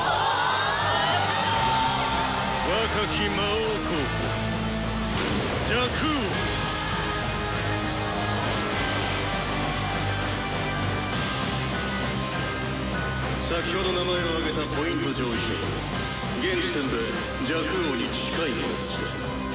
若き魔王候補「先ほど名前を挙げたＰ上位者は現時点で若王に近い者たちだ」。